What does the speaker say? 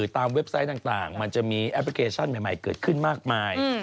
เว็บไซต์ต่างมันจะมีแอปพลิเคชันใหม่เกิดขึ้นมากมาย